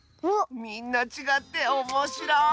みんなちがっておもしろい！